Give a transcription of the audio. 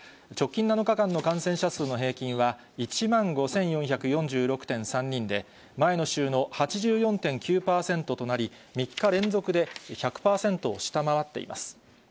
直近７日間の感染者数の平均は、１万５４４６．５人で前の週の８４．９％となり、３日連続で１００％を下回っています。